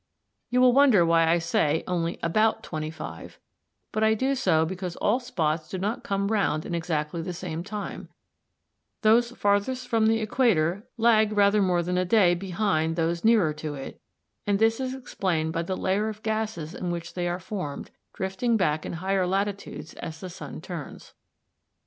You will wonder why I say only about twenty five, but I do so because all spots do not come round in exactly the same time, those farthest from the equator lag rather more than a day behind those nearer to it, and this is explained by the layer of gases in which they are formed, drifting back in higher latitudes as the sun turns.